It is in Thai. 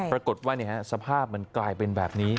ปรากฏว่าสภาพมันกลายเป็นแบบนี้